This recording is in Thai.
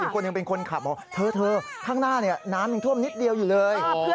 คนหนึ่งเป็นคนขับบอกเธอข้างหน้าน้ำยังท่วมนิดเดียวอยู่เลย